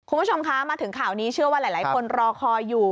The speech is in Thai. คุณผู้ชมคะมาถึงข่าวนี้เชื่อว่าหลายคนรอคอยอยู่